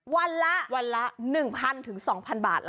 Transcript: วันละ๑๐๐๐๒๐๐๐บาทนะคะ